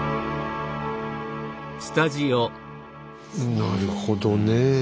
なるほどねえ。